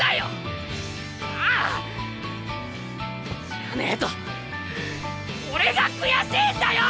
じゃねぇと俺が悔しいんだよ！